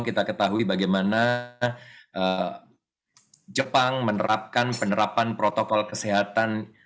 kita ketahui bagaimana jepang menerapkan penerapan protokol kesehatan